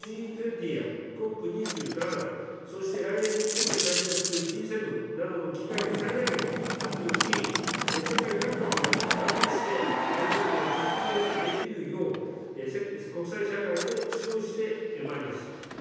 今後Ｇ２０やＣＯＰ２７、そして来年、日本で開催するＧ７などの機会を最大限活用し、世界各国が団結してパリ協定を実現できるよう、国際社会を主導してまいります。